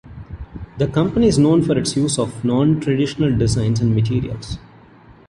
The company is known for its use of non-traditional designs and materials.